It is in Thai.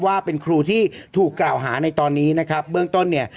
ว่าเป็นครูที่ถูกกล่าวหาในตอนนี้นะครับเบื้องต้นเนี่ย